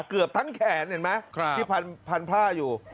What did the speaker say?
เกือบทั้งแขนเห็นไหมที่พันผ้าอยู่